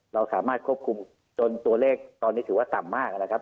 เราสามารถควบคุมจนตัวเลขตอนนี้ถือว่าต่ำมากนะครับ